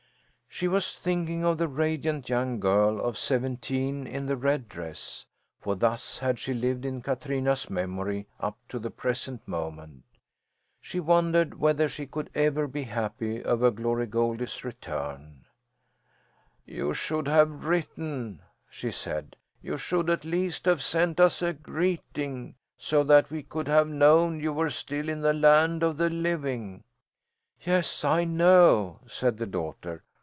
She was thinking of the radiant young girl of seventeen in the red dress; for thus had she lived in Katrina's memory up to the present moment. She wondered whether she could ever be happy over Glory Goldie's return. "You should have written," she said. "You should at least have sent us a greeting, so that we could have known you were still in the land of the living." "Yes, I know," said the daughter.